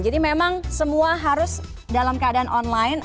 jadi memang semua harus dalam keadaan online